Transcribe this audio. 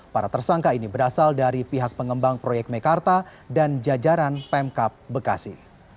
para tersangka ini berasal dari pihak pengembang proyek mekarta dan jajaran pemkap bekasi